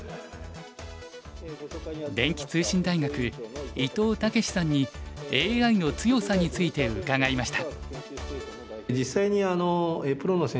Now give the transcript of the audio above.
電気通信大学伊藤毅志さんにＡＩの強さについて伺いました。